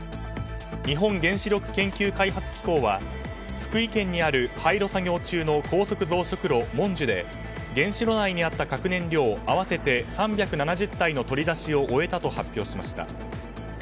日本原子力研究開発機構は福井県にある廃炉作業中の高速増殖炉もんじゅで原子炉内にあった核燃料合わせて３７０体の取り出しを終えたと発表しました。